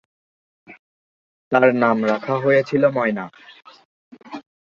তার নাম রাখা হয়েছিল ময়না।